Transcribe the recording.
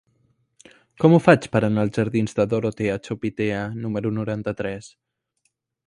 Com ho faig per anar als jardins de Dorotea Chopitea número noranta-tres?